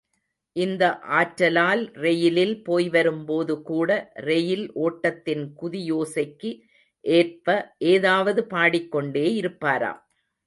இந்த ஆற்றலால் ரெயிலில் போய்வரும் போது கூட ரெயில் ஓட்டத்தின் குதியோசைக்கு ஏற்ப ஏதாவது பாடிக் கொண்டே இருப்பாராம்.